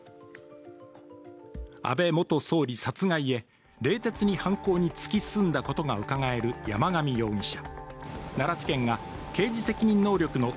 安倍元総理殺害へ冷徹に犯行に突き進んだことがうかがえる山上容疑者。